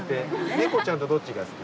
猫ちゃんとどっちが好き？